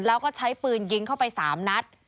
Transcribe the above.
แล้วก็ใช้ปืนยิงเข้าไป๓นัด